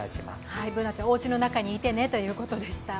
Ｂｏｏｎａちゃん、おうちの中にいてねということでした。